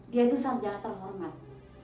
dia itu sarjana terhormat